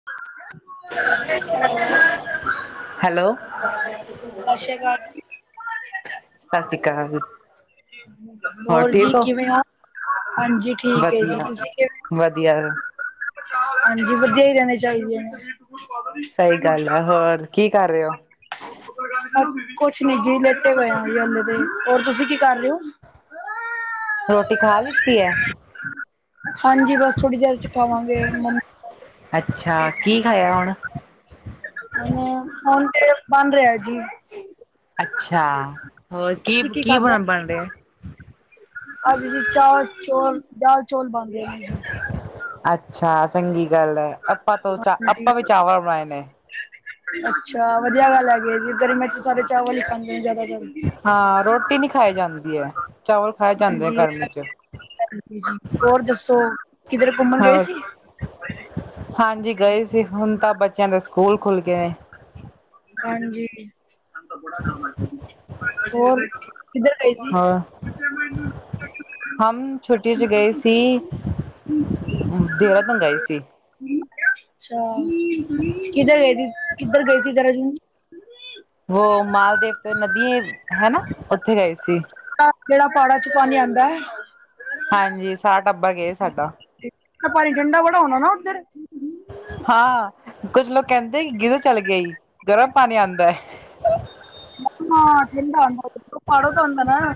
[unintelligible] [inaudible] Hello [unintelligible] ਸਤਿ ਸ਼੍ਰੀ ਅਕਾਲ ਸਤਿ ਸ੍ਰੀ ਅਕਾਲ ਹੋਰ ਜੀ ਠੀਕ ਹੋ? ਕਿਵੇਂ ਓ ਹਾਂਜੀ ਠੀਕ ਏ ਜੀ ਵਧੀਆ। ਤੁਸੀ ਕਿਂ ਵਧੀਆ, ਹਾਂਜੀ ਵਧੀਆ ਹੀ ਰੇਣੇ ਚਾਹੀਦੇ ਨੇ ਸਹੀ ਗੱਲ ਹੈ। ਹੋਰ ਕੀ ਕਰ ਰੇ ਓ ਕੁਛ ਨੀ ਜੀ ਲੇਟੇ ਪਏ ਆ ਜੀ ਹਲੇ ਦੇ ਹੋਰ ਤੁਸੀਂ ਕੀ ਕਰ ਰੇ ਓ ਹ [unintelligible] ਰੋਟੀ ਖਾ ਲਿੱਤੀ ਹੈ? [unintelligible] ਹਾਂਜੀ ਬਸ ਥੋੜ੍ਹੀ ਦੇਰ ਚ ਖਾਵਾਂਗੇ ਮਨ ਅੱਛਾ ਕੀ ਖਾਇਆ ਹੁਣ ਹ ਤੇ ਬਾਨ ਰਿਹਾ ਹ ਜੀ ਅੱਛਾ ਹੋਰ ਕੀ ਤੁਸੀਂ ਕੀ ਖਾਧਾ? ਬਣ ਬਣ ਰਿਹਾ ਅੱਜ ਅਸੀ ਚਾਹ ਚੋਲ ਦਾਲ ਚੋਲ ਬਣ ਰੇ ਨੇ ਜੀ ਅੱਛਾ ਚੰਗੀ ਗੱਲ ਹੈ ਆਪਾਂ ਤੋਂ ਚ ਆਪਾਂ ਹਾਂਜੀ ਵੀ ਚਾਵਲ ਬਣਾਏ ਨੇ ਅੱਛਾ ਵਧੀਆ ਗੱਲ ਹੈਗੀ ਜ ਗਰਮੀਆਂ ਚ ਸਾਰੇ ਚਾਵਲ ਹੀ ਖਾਂਦੇ ਨੇ ਜ਼ਿਆਦਾਤਰ ਹਾਂ ਰੋਟੀ ਨੀ ਖਾਈ ਜਾਂਦੀ ਐ ਹਾਂਜੀ ਹੋਰ ਦੱਸੋ ਕਿਧਰ ਘੁੰਮਣ ਗਏ ਹੋਰ, ਸੀ ਹਾਂਜੀ ਗਏ ਸੀ ਹੁਣ ਤਾਂ ਬੱਚਿਆਂ ਦੇ ਸਕੂਲ ਖੁੱਲ੍ਹ ਗਏ ਹਾਂਜੀ ਜੀ ਹੋਰ ਕਿੱਧਰ ਗਏ ਸੀ ਹਾਂ, ਹਮ ਛੁੱਟੀ ਚ ਗਏ ਸੀ [unintelligible] ਸੀ ਅੱਛਾ ਕਿੱਧਰ ਗਏ ਸੀ ਕਿੱਧਰ ਗਏ ਸੀ [unintelligible] ਉਹ ਮਾਲਦੇਵ ਤੇ ਨਦੀ ਹਨਾ ਉੱਥੇ ਗਏ ਸੀ [unintelligible] ਜਿਹੜਾ ਪਾੜਾਂ ਚੋਂ ਪਾਣੀ ਆਉਂਦਾ ਐ ਹਾਂਜੀ ਸਾਰਾ ਟੱਬਰ ਗਏ ਸਾਡਾ ਪਾਣੀ ਠੰਡਾ ਬੜਾ ਹੋਣਾ ਨਾ ਉੱਧਰ ਹਾਂ ਕੁੱਝ ਲੋਕ ਕਹਿੰਦੇ ਕਿ ਗੀਜ਼ਰ ਚੱਲ ਗਿਆਏ ਹੀ ਗਰਮ ਪਾਣੀ ਆਉਂਦਾ ਹ ਹਾਂ ਠੰਡ ਹੋਂਦਾ ਪਾੜੋ ਤਾਂ ਹੁੰਦਾ ਨਾ।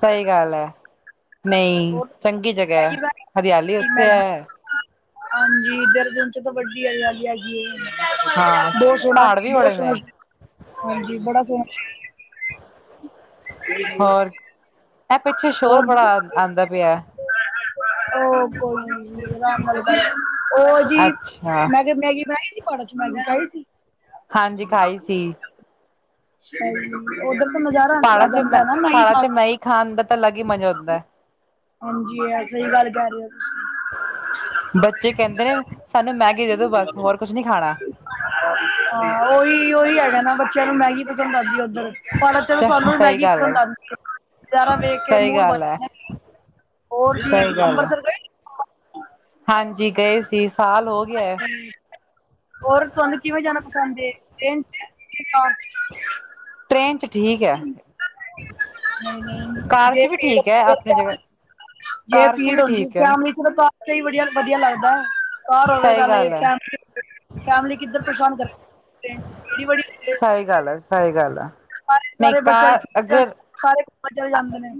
ਸਹੀ ਗੱਲ ਐ, ਨਈ ਹੋਰ ਚੰਗੀ ਜਗਾ ਏ ਮੈਗੀ ਹਰਿਆਲੀ ਉੱਥੇ ਮੈਗੀ ਐ। ਹਾਂਜੀ ਇਧਰ ਦਿਨ ਚ ਤਾਂ ਵੱਡੀ ਆਗੀ ਐ ਈ। ਹਾਂ ਬੋਤ ਸੋਹਣਾ- ਪਹਾੜ ਵੀ ਬੋਤ ਬੜੇ ਸੋਹਣਾ ਨੇ ਹਾਂਜੀ ਬੜਾ ਸੋਹਣਾ, ਹੋਰ ਇਹ ਪਿੱਛੇ ਸ਼ੋਰ ਹੋਰ ਬੜਾ ਆਂਦਾ ਪਿਆ। ਉਹ ਕੋਈ ਉਹ ਜੀ ਅੱਛਾ ਮੈਂ ਕਿਹਾ ਮੈਂਗੀ ਮੈਂ ਜੀ, ਭੜਾ ਚ ਮਣੀ ਚਹੀ ਸੀ [unintelligible] ਹਾਂਜੀ ਖਾਈ ਸੀ। ਅ ਉਧਰ ਤਾਂ ਨਜ਼ਾਰਾ ਪਹਾੜਾਂ ਆ ਚ ਮੈਂ ਜਾਂਦਾ ਨਾ ਪਹਾੜਾਂ ਲਾਈਟ ਦਾ, ਚ ਮੈਗੀ ਖਾਣ ਦਾ ਤਾਂ ਅਲੱਗ ਹੀ ਮਜ਼ਾ ਹੁੰਦਾ ਐ। ਹਾਂਜੀ, ਐ ਸਈ ਗਾੱਲ ਕੈ ਰੇ ਓ। ਬੱਚੇ ਕੈਂਦੇ ਨੇ ਸਾਨੂੰ ਮੈਗੀ ਦੇ ਦੋ ਬਾੱਸ, ਹੋਰ ਕੁਛ ਨੀ ਖਾਨਾ। ਹਾਂ, ਓਈ- ਓਈ ਹੈਗਾ ਨਾ ਬੱਚਿਆਂ ਨੂੰ ਮੈਗੀ ਪਸੰਦ ਆਂਦੀ ਏ ਓਧਰ। ਪਾੱਰ ਚਲੋ ਸਾਨੂੰ ਸਹੀ ਮੈਗੀ ਗੱਲ ਪਸੰਦ ਹੈ ਆਂਦੀ ਏ ਜਾਦਾ ਵੇਖ ਕੇ ਸਹੀ ਮੂੜ ਬਾਨ ਗੱਲ ਹੈ, ਜਾਂਦਾ ਐ। ਹੋਰ ਜੀ, ਸਹੀ ਗੱਲ ਹੈ। ਅੰਬਰਸਰ ਗਏ? ਹਾਂਜੀ, ਗਏ ਸੀ ਸਾਲ ਹੋ ਗਿਆ ਐ। ਗਏ ਹੋਰ, ਤੁਆਨੂੰ ਕਿਵੇਂ ਜਾਨਾ ਪਸੰਦ ਏ ਟ੍ਰੇਨ ਚ, ਕਾਰ ਚ? ਟ੍ਰੇਨ ਚ ਠੀਕ ਹੈ, ਹੂੰ, ਹੂੰ ਕਾਰ ਨਈ-ਨਈ ਜੇ ਚ ਵੀ ਪੀੜ ਠੀਕ ਹੈ ਆਪਣੀ ਜਗ੍ਹਾ [unintelligible] ਜੇ ਕਾਰ ਚ ਭੀੜ ਵੀ ਹੁੰਦੀ ਠੀਕ ਹੈ। ਫੈਮਲੀ ਚ ਤਾਂ ਕਾਰ ਤੇ ਹੀ ਵਦੀਆ ਲੱਗਦਾ ਐ। ਕਾੱਰ ਹੋਵੇ [unintelligible] ਸਹੀ ਗੱਲ ਹੈ, ਸਈ ਗਾੱਲ ਆ- ਸਈ ਗਾੱਲ ਆ। ਸ ਸਾਰੇ ਬੱਚਯਾ ਦੀ ਛੁੱਟੀ ਹੋਣ ਸਾਰੇ ਇਕੱਠੇ ਚਲੇ ਜਾਂਦੇ ਨੇ।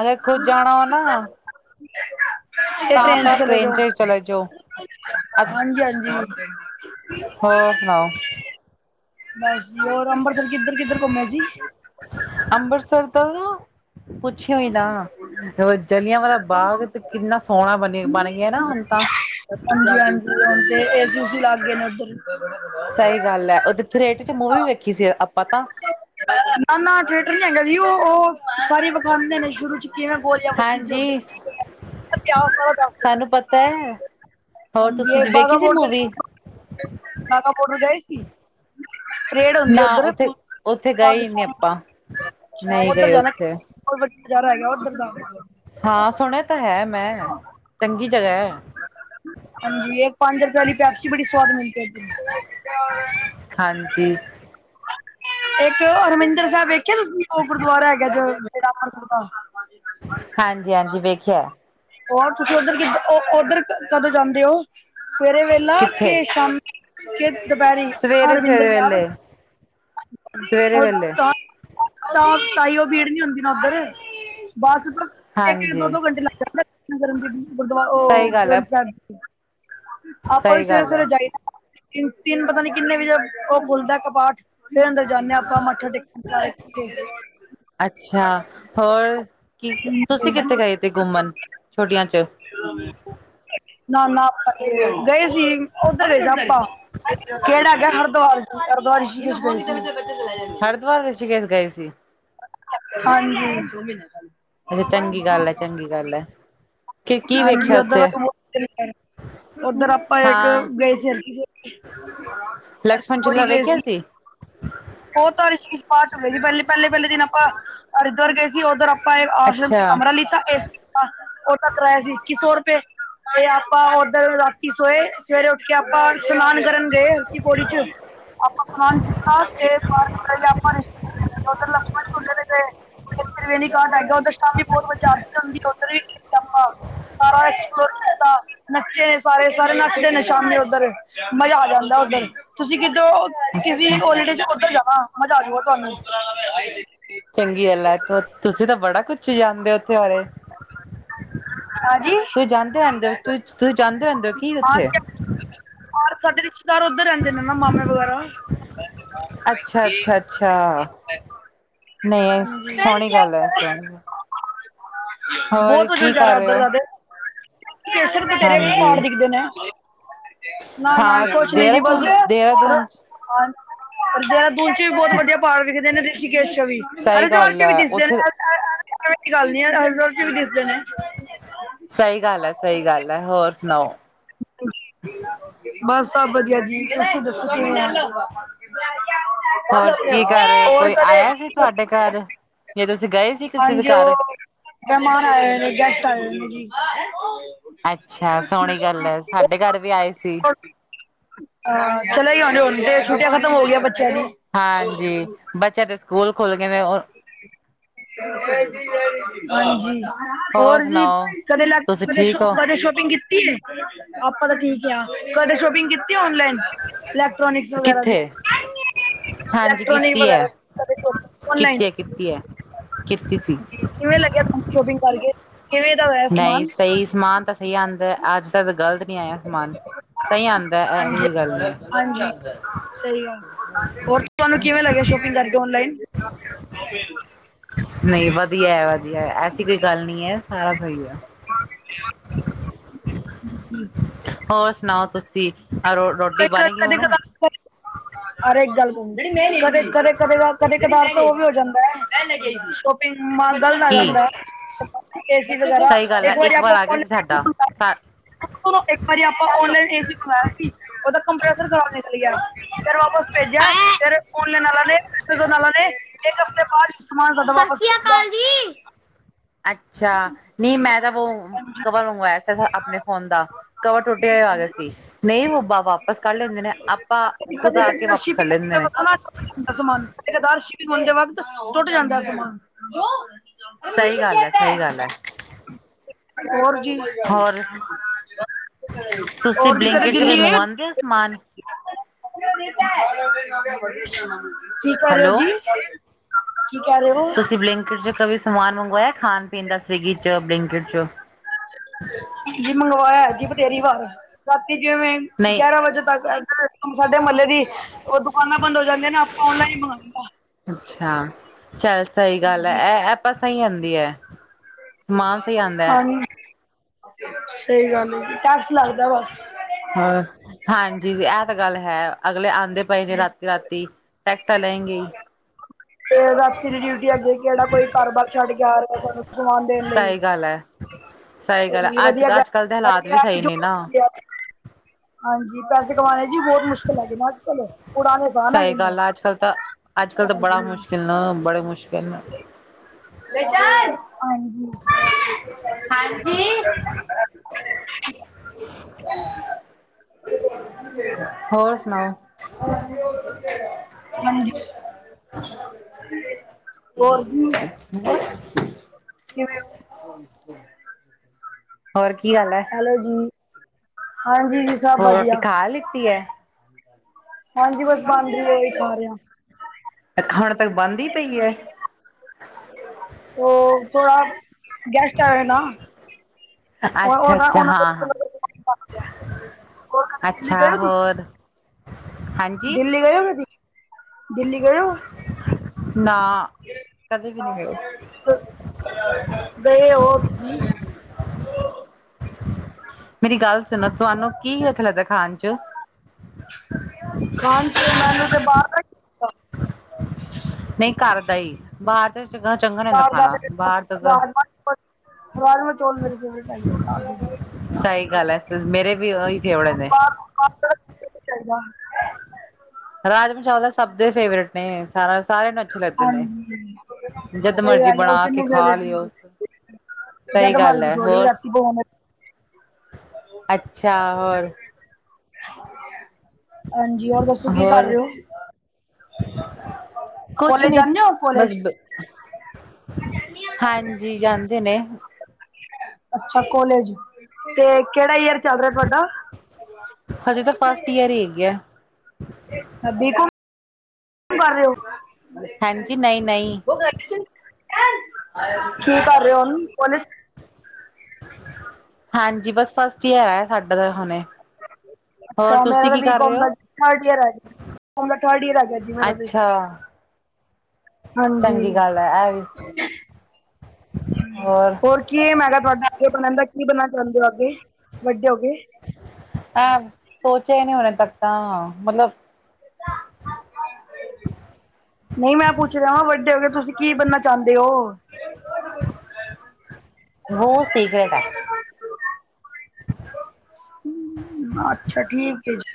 ਅਗਰ ਖੁੱਦ ਜਾਣਾ ਹੋ ਨਾ [inaudible] ਤੇ ਤਾਂ ਟ੍ਰੇਨ ਚ ਤਾਂ ਚਲੇ ਜੋ, ਚਲੇ ਜਾਓ, ਹਾਂਜੀ- ਹਾਂਜੀ। ਹੋਰ ਸੁਨਾਓ? ਬਾੱਸ, ਹੋਰ ਅੰਬਰਸਰ ਕਿੱਧਰ-ਕਿੱਧਰ ਘੁੰਮੇ ਜੀ? ਅੰਬਰਸਰ ਤਾਂ ਪੁੱਛਯੋ ਈ ਨਾ ਜਲਿਆਂਵਾਲਾ ਬਾਗ ਤੇ ਕਿੰਨਾ ਸੋਨਾ ਬੰਨਯਈ ਬਾੰਨ ਗਯਾ ਨਾ ਹੁਨ ਤਾਂ। ਹਾਂਜੀ-ਹਾਂਜੀ ਹੁਨ ਤੇ ਏਸੀ- ਉਸੀ ਲਾੱਗੇ ਨੇ ਓਧਰ। [inaudible] ਸਈ ਗਾੱਲ ਐ, ਓਦੇ ਥਰੇੇਟਰ ਚ ਮੂਵੀ ਵੀ ਵੇਖੀ ਸੀ ਅੱਪਾ ਤਾਂ। ਨਾ-ਨਾ ਥੀਏਟਰ ਨੀ ਹੈਗਾ ਜੀ ਓ, ਓ ਸਾਰੀ ਵਖਾਂਦੇ ਨੇ ਸ਼ੁਰੂ ਚ ਕਿਵੇਂ ਗੋਲੀਆਂ ਵੱਜੀ ਸੀ ਓਧੇ। ਹਾਂਜੀ। ਸਾਨੂੰ ਪਤਾ ਐ, ਹੋਰ ਤੁਸੀ ਹਾਂਜੀ ਦੇ ਵੇਖੀ ਸੀ ਮੂਵੀ? ਨਾਗਾ ਬੋਡਰ ਗਏ ਸੀ? ਪਰੇਡ ਹੁੰਦੀ ਨਾ ਉੱਧਰ ਓਥੇ, ਓਥੇ ਗਏ ਈ ਨੀ ਪਾਕਿਸਤਾਨ ਆਪਾ। ਨਈ ਗਏ ਓਥੇ। ਉ ਬੱਚਾ ਰਹਿ ਗਿਆ ਉਧਰ ਦਾ, ਹਾਂ, ਸੁਣਯਾ ਤਾ ਹੈ ਮੈਂ ਚੰਗੀ ਜਗਾ ਐ। ਹਾਂਜੀ, ਏ ਪਾੰਜ ਰੁਪੇ ਆਲੀ ਪੈਪਸੀ ਬੜੀ ਸਵਾਦ ਮਿਲਦੀ ਏ ਓਦ ਹਾਂਜੀ। ਏਕ ਅਰਵਿੰਦਰ ਸੈਬ ਵੇਖਯਾ ਤੁਸੀ, ਓ ਗੁਰਦੁਆਰਾ ਹੈਗਾਾ ਜੇ ਜੇੜਾ ਅੰਬਰਸਰ ਦਾ। ਹਾਂਜੀ- ਹਾਂਜੀ ਵੇਖਯਾ ਐ। ਹੋਰ, ਤੁਸੀਂ ਓਧਰ ਕਿ ਓਧਰ ਕਦੋ ਜਾਂਦੇ ਓ, ਸਵੇਰੇ ਵੇ ਲਾ ਕਿੱਥੇ ਕੇ ਸ਼ਾਮੀ, ਕੇ ਦੁਪੈਰੀ ਸਵੇਰੇ ਹਰਵਿੰਦਰ ਸਵੇਰੇ ਸਾਬ। ਵੇਲੇ [inaudible] ਸਵੇਰੇ ਵੇਲੇ ਤਾਂ ਤਾਈਓ ਭੀੜ ਨੀ ਹੁੰਦੀ ਨਾ ਓਦਰ ਬਾਦ ਚੋ ਤਾਂ ਇੱਕ-ਇੱਕ, ਹਾਂਜੀ ਦੋ- ਦੋ ਘੰਟੇ ਲੱਗ [unintelligible] ਓ ਸਹੀ ਗੱਲ ਹੈ ਗ੍ਰੰਥ ਸੈਬ ਜੀ ਆਪਾਂ ਵੀ ਸਹੀ ਸਵੇਰੇ ਗੱਲ ਸਵੇਰੇ ਹੈ ਜਾਈਦੈ, ਤਿੰਨ-ਤਿੰਨ ਪਤਾ ਨੀ ਕਿੰਨੇ ਵਜੇ ਓ ਖੁਲਦੈ ਕ ਪਾਠ ਫੇਰ ਅੰਦਰ ਜਾਂਨੇ ਆਂ ਆਪਾਂ ਮੱਥਾ ਟੇਕਨ [unintelligible] ਅੱਛਾ, ਹੋਰ ਕੀ ਤੁਸੀ ਕਿੱਥੇ ਗਏ ਥੇ ਕੁੰਮਨ। ਛੁੱਟੀਆਂ ਚ ਨਾ-ਨਾ ਆਪਾਂ ਨੀ ਗਏ। ਗਏ ਸੀ ਓਦਰ ਗਏ ਸੀ ਆਪਾਂ, ਕੇੜਾ ਹੈਗੈ ਹਰਦਵਾਰ ਹਰਦਵਾਰ, ਰਿਸ਼ੀਕੇਸ਼ ਗਏ ਸੀ। ਹਰਦਵਾਰ, ਰਿਸ਼ੀਕੇਸ਼ ਗਏ ਸੀ। ਹਾਂਜੀ। ਅੱਛਾ ਚੰਗੀ ਗੱਲ ਐ ਚੰਗੀ ਗੱਲ ਐ। ਹਾਂਜੀ ਓਦਰ ਆਪਾਂ ਮੁੜ ਕੇ ਨੀ ਗਏ, ਓਦਰ ਆਪਾਂ ਇੱਕ ਹਾਂ ਗਏ ਸੀ ਰਿਸ਼ੀਕੇਸ ਹਰਕੀ ਲਕਸ਼ਮਣ ਝੂਲਾ ਪੌੜੀ ਗਏ ਵੇਖਿਆ ਸੀ। ਓ ਤਾ ਰਿਸ਼ੀਕੇਸ਼ ਬਾਦ ਚੋਂ ਗਏ ਸੀ ਪੈਲੇ-ਪੈਲੇ-ਪੈਲੇ ਦਿਨ ਆਪਾਂ ਹਰਿਦੁਆਰ ਗਏ ਸੀ ਓਦਰ ਆਪਾਂ ਆਪਾਂ ਆਸ਼ਰਮ ਚ ਅੱਛਾ ਕਮਰਾ ਲਿੱਤਾ ਏ ਸੀ ਕਾ ਕਰਾਇਆ ਸੀ ਇੱਕੀ ਸੌ ਰੁਪਏ, ਤੇ ਆਪਾਂ ਓਦਨ ਰਾਤੀ ਸੋਏ ਸਵੇਰੇ ਉੱਠ ਕੇ ਆਪਾਂ ਸ਼ਨਾਨ ਕਰਨ ਗਏ ਹਰ ਕੀ ਪੌੜੀ ਚ। ਆਪਾਂ ਖਾਨ ਕੀਤਾ ਤੇ ਬਾਦ ਵਿੱਚ ਆਪਾਂ ਲਸ਼ਮਣ ਝੂਲੇ ਤੇ ਗਏ। ਵੇਨੀ ਗਾਰਡ ਹੈਗਾ ਓਦਰ ਸ਼ਾਮ ਵੀ ਬੋਤ ਵਧੀਆ ਆ ਹੁੰਦੀ ਓਦਰ ਵੀ ਕੀਤਾ ਆਪਾਂ। ਸਾਰਾ ਐਕਸਪਲੋਰ ਕੀਤਾ। ਨੱਚੇ ਨੇ ਸਾਰੇ ਸਾਰੇ ਨੱਚਦੇ ਨੇ ਸ਼ਾਮੀ ਓਦਰ ਮਜ਼ਾ ਆ ਜਾਂਦਾ ਓਦਰ, ਤੁਸੀਂ ਕਿਦੋਂ ਕਿਸੀ ਅੱਛਾ ਹੋਲੀਡੇ ਚ ਓਦਰ ਜਾਵਾਂ ਮਜ਼ਾ ਆ ਜੂਗਾ ਤੁਆਨੂੰ। ਚੰਗੀ ਗੱਲ ਐ, ਤੁਸੀਂ ਤਾਂ ਬੜਾ ਕੁਛ ਜਾਂਨਦੇ ਓਂ ਓਥੇ ਬਾਰੇ। ਹਾਂਜੀ ਤੁਸੀਂ ਜਾਂਦੇ ਆਂਦੇ ਓਂ ਤੁਸੀਂ ਜਾਂਦੇ ਆਂਦੇ ਓਂ ਕੀ ਓਥੇ ਹਰ ਸਾਡੇ ਰਿਸ਼ਤੇਦਾਰ ਓਦਰ ਰੈਂਦੇ ਨੇ ਨਾ ਮਾਮੇ ਵਗ਼ੈਰਾ ਅੱਛਾ-ਅੱਛਾ-ਅੱਛਾ। ਹਾਂਜੀ, ਡੈਡੀ ਜੇਬ ਪਰਾਂ ਕੀ ਗੱਲ ਹੋਏਆ, ਹੋਰ ਬੋਤ ਵਦੀਆ ਕੀ ਨਜ਼ਾਰਾ ਕਰ ਰਹੇ ਹੋ ਓਦਰ ਦੇ ਤਾ। ਕੇਸਰ ਬਥੇਰੇ ਹਾਂਜੀ ਪਆੜ ਦਿਖਦੇ ਨੇ। ਨਾ-ਨਾ ਹਾਂ ਕੁਛ ਨੀ ਜੀ ਬਸ ਦੇਹਰਾਦੂਨ ਰੌ ਦੇਹਰਾਦੂਨ ਹਾਂ ਦੇਹਰਾਦੂਨ ਚ ਵੀ ਬੋਤ ਵਦੀਆ ਪਾੜ ਵਿਖਦੇ ਨੇ ਰਿਸ਼ੀਕੇਸ਼ ਚ ਵੀ। ਸਹੀ ਹਰਿਦਵਾਰ ਗੱਲ ਚ ਵੀ ਹੈ ਦਿਸਦੇ ਨੇ ਉੱਥੇ ਐ ਐਸੀ ਗੱਲ ਨੀ ਐ ਹਰਿਦਵਾਰ ਚ ਵੀ ਦਿਸਦੇ ਨੇ। ਸਈ ਗੱਲ ਐ-ਸਈ ਗੱਲ ਐ ਹੋਰ ਸਨਾਓ। [inaudible] ਬਸ ਸਬ ਵਦੀਆ ਜੀ ਤੁਸੀਂ ਦੱਸੋ ਕਿਵੇਂ ਓਂ। ਹੋਰ ਕੀ ਕਰ ਰਹੇ ਹੋ [unintelligible] ਹੋਰ ਕੋਈ ਕਦੇ, ਆਇਆ ਸੀ ਤੁਹਾਡੇ ਘਰ ਜਾਂ ਤੁਸੀਂ ਗਏ ਸੀ ਕਿਸੇ ਦੇ ਹਾਂਜੀ ਓ ਘਰ ਮੈਮਾਨ ਆਏ ਹੋਏ ਨੇ, ਗੈਸਟ ਆਏ ਹੋਏ ਨੇ ਜੀ। ਅੱਛਾ ਸੋਨੀ ਗੱਲ ਐ ਸਾਡੇ ਘਰ ਵੀ ਆਏ ਸੀ। ਹਾਂ ਚਲੇ ਗਏ ਹੋਨੇ ਹੁਨ ਤੇ ਛੁੱਟੀਆਂ ਖ਼ਤਮ ਹੋ ਗੀਆਂ ਬੱਚਿਆਂ ਦੀਆਂ। ਹਾਂਜੀ, ਬੱਚਿਆਂ ਦੇ ਸਕੂਲ ਖੁੱਲ ਗਏ ਨੇ ਔਰ ਹਾਂਜੀ। ਹੋਰ ਜੀ ਕਦੇ ਲੈਪ ਤੁਸੀਂ ਕਦੇ ਠੀਕ ਹੋ ਸ਼ੋ ਸ਼ੋਪਿੰਗ ਕੀ ਆਪਾਂ ਤਾਂ ਠੀਕ ਆਂ, ਕਦੇ ਸ਼ੋਪਿੰਗ ਕੀਤੀ ਔਨਲਾਈਨ? ਇਲੈਕਟ੍ਰੋਨਿਕਸ ਵਗੈਰਾ ਦੇ? ਕਿੱਥੇ ਹਾਂਜੀ ਇਲੈਕਟ੍ਰੋਨਿਕ ਕੀਤੀ ਹੈ ਵਗੈਰਾ, ਔਨਲਾਈਨ। ਕੀਤੀ ਹੈ ਕੀਤੀ ਐ, ਕੀਤੀ ਸੀ। ਜੀ ਕਿਵੇਂ ਲੱਗਿਆ, ਤੁਆਨੂੰ ਸ਼ੋਪਿੰਗ ਕਰਕੇ? ਕਿਵੇਂ ਦਾ ਹੋਇਆ ਨਈਂ, ਸਮਾਨ? ਸਈ ਸਮਾਨ ਤਾਂ ਸਈ ਆਂਦਾ ਅੱਜ ਤਾਂ ਗਲਤ ਨੀਂ ਆਯਾ ਸਮਾਨ, ਸਈ ਆਂਦਾ ਐਹੋ ਹਾਂਜੀ ਜੀ ਗੱਲ ਹਾਂਜੀ ਨੀਂ। ਸਹੀ ਗੱਲ, ਹੋਰ ਤੁਆਨੂੰ ਕਿਵੇਂ ਲੱਗਿਆ ਸ਼ੋਪਿੰਗ ਕਰਕੇ ਓਨਲਾਈਨ? ਨਈਂ, ਵਧੀਆ-ਵਧੀਆ, ਐਸੀ ਕੋਈ ਗੱਲ ਨੀਂ ਐ, ਸਾਰਾ ਸਈ ਐ। [unintelligible] ਹੋਰ ਸੁਣਾਓ ਤੁਸੀਂ, ਅ ਰੋਟੀ ਬਾਨ ਗਈ ਹੋਣ? [inaudible] ਹਰੇ ਗੱਲ ਕ ਕਦੇ, ਕਦੇ, ਕਦੇ ਕਦਾਰ ਤੇ ਓ ਵੀ ਹੋ ਜਾਂਦਾ। ਮਾਲ ਗਲਤ ਆ ਕੀ ਜਾਂਦਾ। ਏਸੀ ਵਗੈਰਾ, ਸਹੀ ਗੱਲ ਹੈ ਇੱਕ ਵਾਰੀ ਵਾਰ ਆਪਾਂ ਆ ਗਿਆ ਸੀ ਸਾਡਾ [unintelligible] ਏਕ ਵਾਰੀ ਆਪਾਂ ਔਨਲਾਈਨ ਏਸੀ ਮੰਗਈਆਂ ਸੀ। ਓਦਾ ਕੰਪ੍ਰੈਸਰ ਖ਼ਰਾਬ ਨਿਕਲ ਗਯਾ, ਫੇਰ ਵਾਪਸ ਭੇਜਿਆ ਫੇਰ ਫੋਨ ਲੈਣ ਵਾਲਾ ਨੇ ਐਮਜ਼ਨ ਵਾਲਾ ਨੇ ਇੱਕ ਹਫ਼ਤੇ ਬਾਅਦ ਸਮਾਨ ਸਾਡਾ ਵਾਪਸ ਭੇਜਿਆ। ਅੱਛਾ, ਨਈਂ ਮੈਂ ਤਾਂ ਵੋ ਕਵਰ ਮੰਗਵਾਈਆਂ ਆਪਣੇ ਫ਼ੋਨ ਦਾ। ਕਵਰ ਟੁੱਟਿਆ ਹੋਯਾ ਆ ਗਯਾ ਸੀ। ਨਈਂ, ਹਾਂਜੀ ਓ ਵਾਪਿਸ ਕਰ ਲੈਂਦੇ ਨੇ, ਆਪਾਂ ਕਦੇ ਖੁਦ ਆ ਕੇ ਵਾਪਿਸ ਕਰੱ ਲੈਂਦੇ ਨੇ। ਸਾਰਾ ਸਮਾਨ [unintelligible] ਸ਼ਿਪਿੰਗ ਹੋਣ ਤੋਂ ਬਾਦ ਟੁੱਟ ਜਾਂਦਾ ਅ ਸਮਾਨ। ਹੋਰ ਸਹੀ ਗੱਲ ਹੈ ਸਹੀ ਗੱਲ ਹੈ ਕੀ ਬਣੀ ਗੱਲ? ਹੋਰ ਤੁਸੀਂ ਹੋਰ ਜੀ ਕਦੇ ਬਲਿੰਕਿਟ ਚ ਕੁਛ ਦਿੱਲੀ ਗਏ ਹੋ? ਮੰਗਵਾਉਂਦੇ ਓ ਸਮਾਨ? ਕੀ ਕਰ ਰੇ ਓ ਹੈਲੋ ਜੀ? ਕੀ ਕਹਿ ਰੇਓ? ਤੁਸੀਂ ਬਲਿੰਕਿਟ ਚ ਸਮਾਨ ਮੰਗਵਾਇਆ ਖਾਣ- ਪੀਣ ਦਾ ਸਵੀਗੀ ਚ, ਬਲਕਟ ਚ? ਜੀ ਮੰਗਵਾਇਆ ਜੀ ਬਥੇਰੀ ਵਾਰ, ਰਾਤੀ ਜਿਵੇਂ ਨਹੀਂ ਗਯਾਰਾਂ ਵਜੇ ਤੱਕ, ਸਾਡੇ ਮਹੱਲੇ ਦੀ ਓ ਦੁਕਾਨਾਂ ਬੰਦ ਹੋ ਜਾਂਦੀਆਂ ਨਾ, ਆਪਾਂ ਔਨਲਾਈਨ ਈ ਮੰਗਵਾਂਦੇ ਆ। ਅੱਛਾ, ਚੱਲ ਸਹੀ ਗੱਲ ਐ। ਹਾਂਜੀ ਐ ਐ ਐਪਾਂ ਸਹੀ ਹੁੰਦੀ ਏ। ਸਮਾਨ ਸਈ ਆਂਦਾ। ਸਈ ਗੱਲ, ਟੈਕਸ ਲੱਗਦਾ ਵੱਸ। ਹ ਹਾਂਜੀ, ਏ ਤੇ ਗੱਲ ਹੈ ਅਗਲੇ ਆਂਦੇ ਪਏ ਨੇ ਰਾਤੀ- ਰਾਤੀ। ਟੈਕਸ ਤਾਂ ਲਏ ਗੇਹੀ। ਤੇ ਰਾਤੀ ਡਿਊਟੀਆਂ ਦੇ ਕੇ ਜੇੜਾ ਕੋਈ ਘਰ-ਬਾਰ ਛੱਡ ਕੇ ਆਰੇ ਨੇ। ਸਈ ਗੱਲ ਆ। ਸਈ ਗੱਲ ਆ, ਕੋਈ ਅੱਜ, ਵਧੀਆ ਅੱਜ-ਕੱਲ ਦੇ ਗੱਲ ਹਾਲਾਤ ਇਹ ਵੀ ਆ ਕਿ ਸਈ ਜੋ ਨਈ ਨਾ। ਹਾਂਜੀ, ਪੈਸੇ ਕਮਾਣੇ ਜੀ ਬੋਤ ਮੁਸ਼ਕਿਲ ਹੈਗੇਨੇ ਅੱਜ-ਕਲ, ਉੜਾਨੇ ਅਸਾਨ ਹੈਗੇ ਨੇ। ਅੱਜ-ਕਲ ਤਾਂ, ਅੱਜ-ਕੱਲ ਤਾਂ ਬੜਾ ਹਾਂਜੀ ਮੁਸ਼ਕਿਲ ਨਾ ਬੜੇ ਮੁਸ਼ਕਿਲ ਨੇ। ਹਾਂਜੀ। ਹਾਂਜੀ। [inaudible] ਹੋਰ ਸੁਨਾਓ? ਹਾਂਜੀ [inaudible] ਼ [inaudible] ਹੋਰ ਜੀ ਕਿਵੇਂ ਹੋਰ ਕੀ ਹਾਲ ਐ? ਹੈਲੋ ਜੀ। ਹਾਂਜੀ ਜੀ ਸਭ ਹੋਰ, ਰੋਟੀ ਵਧੀਆ ਖਾ ਲਿੱਤੀ ਐ? ਹਾਂਜੀ ਬਸ ਬਨ ਰੀ ਐ, ਓਈ ਖਾ ਰੇਆ। ਹੁਣ ਤੱਕ ਬਨਦੀ ਪਈ ਐ। ਓ ਥੋੜਾ, ਗੈਸਟ ਆਏ ਆ ਨਾ। ਅੱਛਾ ਅੱਛਾ ਹਾਂ ਹਾਂ ਅੱਛਾ [unintelligible] ਹੋਰ ਹਾਂਜੀ ਦਿੱਲੀ ਗਏ ਓ ਕਦੀ, ਦਿੱਲੀ ਗਏ ਓ? ਨਾ, ਕਦੇ ਵੀ ਨੀ ਗਏ। ਗਏ ਓ? ਮੇਰੀ ਗੱਲ ਸੁਨੋ, ਤੁਆਨੂੰ ਕੀ ਅੱਛਾ ਲਗਦੈ ਖਾਨ 'ਚ? ਖਾਨ, ਚ ਮੈਨੂੰ ਤੇ ਬਾਰ ਦਾ ਈ ਨਈਂ ਘਰ ਦਾ ਈ, ਬਾਰ ਦਾ ਚੰਗਾ, ਚੰਗਾ ਨਈਂ ਹੁੰਦਾ ਬਾਹਰ ਦਾ ਖਾਨਾ ਤੇ ਬਾਹਰ ਦਾ ਤਾਂ ਰਾਜਮਾ ਰਾਜਮਾ- ਚੌਲ ਮਿਲ ਜਾਣ ਸਹੀ ਗੱਲ ਹੈ [unintelligible] ਮੇਰੇ ਵੀ ਓਹੀ ਫੇਵਰਟ ਨੇ। [unintelligible] ਰਾਜਮਾ-ਚਾਵਲ ਤਾਂ ਸਬ ਦੇ ਫੇਵਰੇਟ ਨੇ। ਸਾਨੂੰ ਸਾਰੇਆਂ ਨੂੰ ਅੱਛੇ ਲੱਗਦੇ ਨੇ, ਹਾਂਜੀ ਜਦ ਸਹੀ ਮਰਜੀ ਗੱਲ ਹੈ ਉਹ ਬਣਾ ਕੇ ਕਿੰਨੇ ਖਾ ਫੇਵਰੇਟ ਲੇਓ ਨੇ ਸਈ ਜਦ ਗੱਲ ਮਰਜੀ ਐ, ਥੋੜੀ ਹੋਰ ਰਾਤੀ ਪਵਾਉਣੇ ਅੱਛਾ, ਹੋਰ ਹਾਂਜੀ, ਹੋਰ ਦੱਸੋ ਕੀ ਕਰ ਹੋਰ ਰਏ ਓ? [inaudible] ਕੁਛ ਕੋਲੇਜ ਨੀ ਜਾਂਦੇ ਹੋ ਬਸ, ਕੋਲੇਜ ਹਾਂਜੀ ਜਾਂਦੇ ਨੇ। ਅੱਛਾ ਕੋਲੇਜ, ਤੇ ਕੇੜਾ ਈਅਰ ਚੱਲ ਰੇਆ ਤੁਆਡਾ? ਹਜੇ ਤਾਂ ਫਸਟ ਈਅਰ ਈ ਹੈਗੇ ਆ। [unintelligible] ਕੀ ਕਰ ਰਏ ਓ? ਹਾਂਜੀ, ਨਈਂ -ਨਈਂ। ਪੋਲਿਸ [inaudible] ਹਾਂਜੀ, ਬਸ ਫਸਟ ਈਅਰ ਐ ਸਾਡਾ ਤਾਂ ਹੁਨੇ। ਅੱਛਾ, ਮੇਰਾ ਤਾਂ ਬੀ -ਕੌਮ ਦਾ ਹੋ ਥਰਡ ਈਅਰ ਐ। ਹੁਣ ਤਾਂ ਥਰਡ ਈਅਰ ਆ ਗੇਆ ਜੀ, ਮੇਰਾ ਤੇ- ਅੱਛਾ ਹਾਂਜੀ, ਚੰਗੀ ਗੱਲ ਹੈ ਇਹ ਵੀ ਹੋਰ ਕੀ ਏਮ ਹੈਗਾ ਤੁਆਡਾ, ਅੱਗੇ ਬਣਨ ਦਾ, ਕੀ ਬਣਨਾ ਚਾਓਂਦੇ ਓ ਅੱਗੇ, ਵੱਡੇ ਹੋ ਕੇ? ਅ, ਸੋਚੇਆ ਈ ਨਈਂ ਹੁਣੇ ਤੱਕ ਤਾਂ, ਮਤਲਬ ਨਈ ਮੈਂ ਪੁੱਛ ਰੇਆਂ, ਵੱਡੇ ਹੋ ਕੇ ਤੁਸੀਂ ਕੀ ਬਣਨਾ ਚਾਂਦੇ ਓ। ਵੋ ਸਿਕਰਟ ਐ। ਅੱਛਾ, ਠੀਕ ਐ ਜੀ।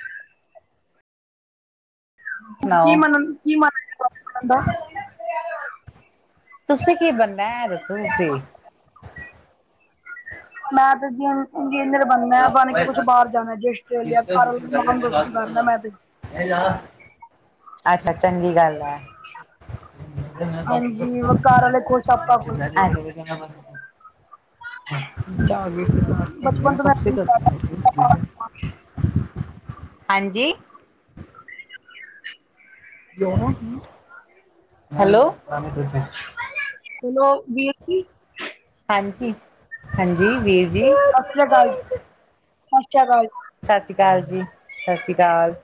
ਕੀ ਸੁਣਾਓ ਬਨਣ, ਕੀ ਮਨ ਹੈਗਾ ਤੁਆਡੇ ਬਣਨ ਦਾ? ਤੁਸੀ ਕੀ ਬਣਨਾ ਐ ਦੱਸੋ ਤੁਸੀ? ਮੈਂ ਤਾਂ ਜਿ ਇੰਜੀਨਅਰ ਬਣਨਾ ਬਨ ਕੇ ਕੁਛ ਬਾਰ ਜਾਣਾ ਜੀ ਆਸਟ੍ਰੇਲੀਆ ਘਰ ਨਾਮ ਰੋਸ਼ਨ ਕਰਨਾ ਮੈਂ ਤੇ ਅੱਛਾ, ਚੰਗੀ ਗੱਲ ਐ। ਹਾਂਜੀ ਘਰ ਵਾਲੇ ਖੁਸ਼ ਆਪਾਂ ਖੁਸ਼ ਬਚਪਨ [unintelligible] [unintelligible] ਤੋਂ ਮੈਂ [unintelligible] ਹਾਂਜੀ। [unintelligible] ਹੈਲੋ। ਹੈਲੋ, ਵੀਰ ਜੀ। ਹਾਂਜੀ ਹਾਂਜੀ ਵੀਰ ਜੀ। ਸਤਿ ਸ੍ਰੀ ਅਕਾਲ ਜੀ, [unintelligible] [unintelligible] ਸਤਿ ਸ਼੍ਰੀ ਅਕਾਲ ਜੀ, ਸਤਿ ਸ਼੍ਰੀ ਅਕਾਲ।